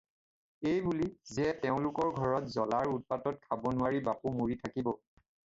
এইবুলি যে তেওঁলোকৰ ঘৰত জলাৰ উৎপাতত খাব নোৱাৰি বাপু মৰি থাকিব।